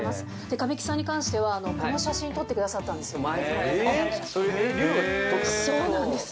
神木さんに関しては、この写真撮ってくださったんですよね。